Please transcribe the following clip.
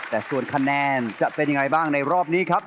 แต่ส่วนคะแนนจะเป็นยังไงบ้างในรอบนี้ครับ